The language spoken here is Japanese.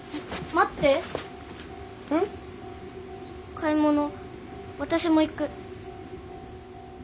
買い物私も行く。